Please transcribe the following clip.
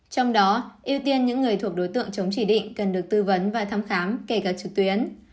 trong đó ưu tiên những người thuộc đối tượng chống chỉ định cần được tư vấn và thăm khám kể cả trực tuyến